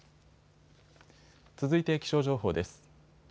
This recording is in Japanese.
続いて気象情報です。